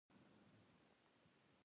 علم پر نر او ښځي فرض دی